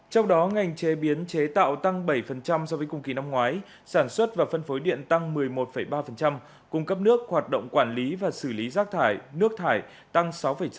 trong đó ngành chế biến chế tạo tăng bảy so với cùng kỳ năm ngoái sản xuất và phân phối điện tăng một mươi một ba cung cấp nước hoạt động quản lý và xử lý rác thải nước thải tăng sáu chín